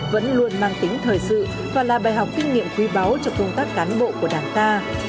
vẫn luôn mang tính thời sự và là bài học kinh nghiệm quý báu cho công tác cán bộ của đảng ta